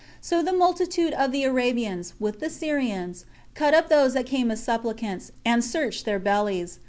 So the multitude of the Arabians, with the Syrians, cut up those that came as supplicants, and searched their bellies.